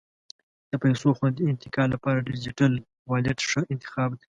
د پیسو خوندي انتقال لپاره ډیجیټل والېټ ښه انتخاب دی.